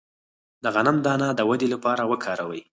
د غنم دانه د ودې لپاره وکاروئ